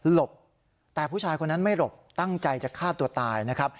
ลบแต่ผู้ชายคนนั้นไม่หลบตั้งใจจะฆ่าตัวตายนะครับ